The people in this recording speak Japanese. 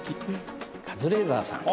カズレーザーさん